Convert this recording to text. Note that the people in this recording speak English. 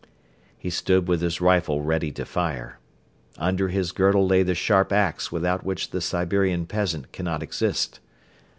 He stood with his rifle ready to fire. Under his girdle lay the sharp ax without which the Siberian peasant cannot exist.